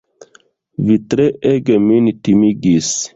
Vi treege min timigis!